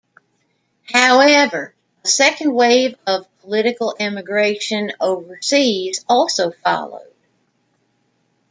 However, a second wave of political emigration overseas also followed.